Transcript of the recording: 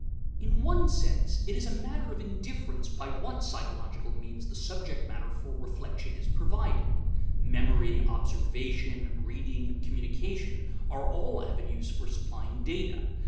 In one sense, it is a matter of indifference by what psychological means the subject matter for reflection is provided. Memory, observation, reading, communication, are all avenues for supplying data.